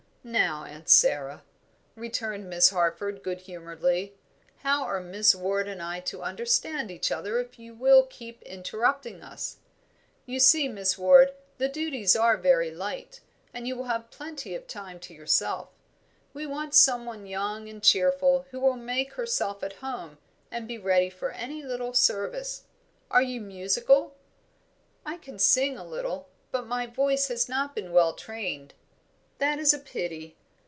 "Now, Aunt Sara," returned Miss Harford, good humouredly, "how are Miss Ward and I to understand each other if you will keep interrupting us? You see, Miss Ward, the duties are very light, and you will have plenty of time to yourself. We want some one young and cheerful who will make herself at home and be ready for any little service. Are you musical?" "I can sing a little but my voice has not been well trained." "That is a pity.